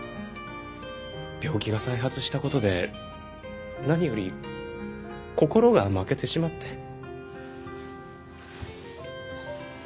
病気が再発したことで何より心が負けてしまって。